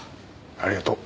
ありがとう。